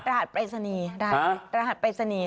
รหัสเปรษณีย์